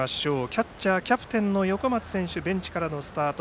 キャッチャーでキャプテンの横松選手はベンチからのスタート。